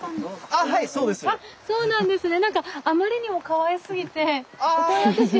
そうなんですね。